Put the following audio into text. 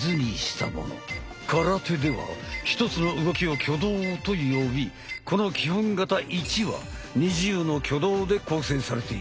空手では一つの動きを「挙動」と呼びこの基本形１は２０の挙動で構成されている。